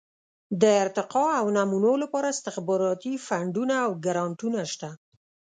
د ارتقاء او نمو لپاره استخباراتي فنډونه او ګرانټونه شته.